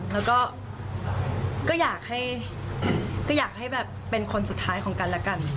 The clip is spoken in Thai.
แล้วก็อยากให้เป็นคนสุดท้ายของกันและกัน